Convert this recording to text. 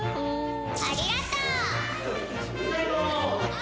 ありがとう！